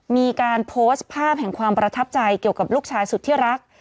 มีการโพสต์ภาพแห่งความประทับใจเกี่ยวกับลูกชายสุดที่รัก